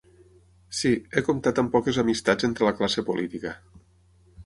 Sí, he comptat amb poques amistats entre la classe política.